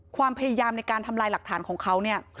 ความพยายามในการทำลายหลักฐานของเขาเนี่ย